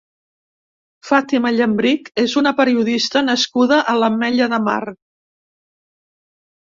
Fàtima Llambrich és una periodista nascuda a l'Ametlla de Mar.